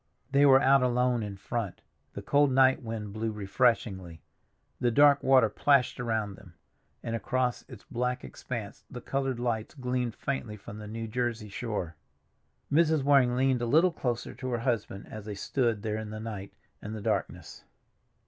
They were out alone in front, the cold night wind blew refreshingly, the dark water plashed around them, and across its black expanse the colored lights gleamed faintly from the New Jersey shore. Mrs. Waring leaned a little closer to her husband as they stood there in the night and the darkness.